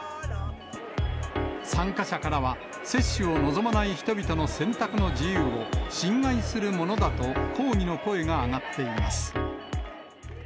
参加者からは、接種を望まない人々の選択の自由を侵害するものだと、抗議の声が上がっています。